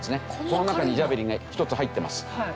この中にジャベリンが１つ入ってます。